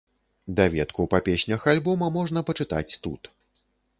Даведку па песнях альбома можна пачытаць тут.